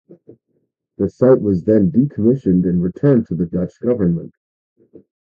The site was then decommissioned and returned to the Dutch government.